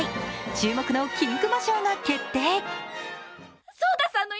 注目の金熊賞が決定。